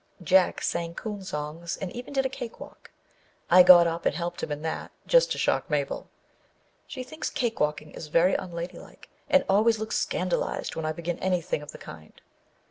Jack sang coon songs and even did a cake walk. I got up and helped him in that, just to shock Mabel. She thinks cake walking is very unladylike, and always looks scandalized when I begin anything of the kind.